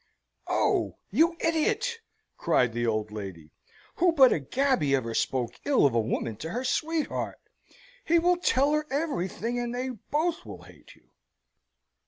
"Oh, you idiot!" cried the old lady. "Who but a gaby ever spoke ill of a woman to her sweetheart? He will tell her everything, and they both will hate you."